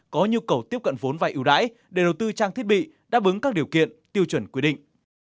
có nhu cầu tiếp cận vốn vay ưu đãi để đầu tư trang thiết bị đáp ứng các điều kiện tiêu chuẩn quy định